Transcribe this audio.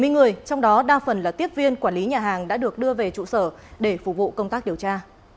chín mươi người trong đó đa phần là tiếp viên quản lý nhà hàng đã được đưa về trụ sở để phục vụ công tác điều tra